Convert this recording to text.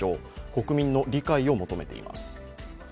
国民の理解を求めています。